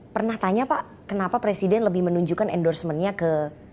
pernah tanya pak kenapa presiden lebih menunjukkan endorsementnya ke